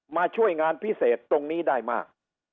มาช่วยงานพิเศษตรงนี้ได้มาก